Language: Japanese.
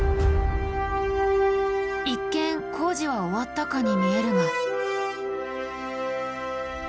一見工事は終わったかに見えるが。